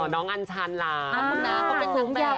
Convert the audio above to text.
อ๋อน้องอันชาญลาเขาเป็นทางแบบ